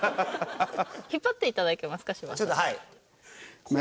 引っ張っていただけますか芝さん。